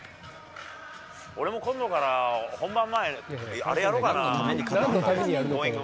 俺も今度から、本番前にあれやろうかな、Ｇｏｉｎｇ！